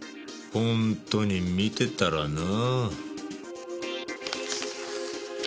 ほんとに見てたらな。